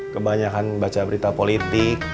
kebanyakan baca berita politik